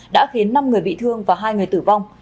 đã khiến năm người bị thương và hai người tử vong